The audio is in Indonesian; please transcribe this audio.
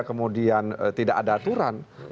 kemudian tidak ada aturan